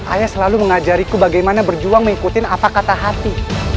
ayah selalu mengajariku bagaimana berjuang mengikuti apa kata hati